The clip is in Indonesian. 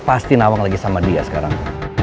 pasti nawang lagi sama dia sekarang